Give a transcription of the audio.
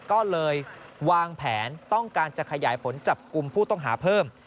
ก็เลยวางแผนต้องการจะขยายผลจับกลุ่มผู้ต้องหาเพิ่ม